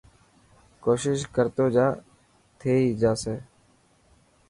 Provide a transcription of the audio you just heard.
ڪوشش ڪرتو جا ٿي هي باسي.